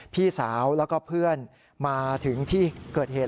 พี่สาวแล้วก็เพื่อนมาถึงที่เกิดเหตุ